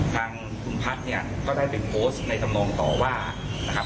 ทางคุณพัฒน์เนี่ยก็ได้ไปโพสต์ในธรรมนองต่อว่านะครับ